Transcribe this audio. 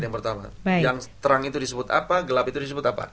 yang terang itu disebut apa gelap itu disebut apa